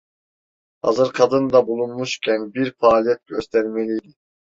Hazır kadın da bulunmuşken, bir faaliyet göstermeliydi.